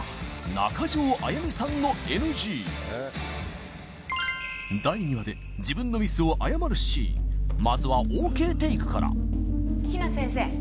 中条あやみさんのＮＧ第２話で自分のまずはＯＫテイクから比奈先生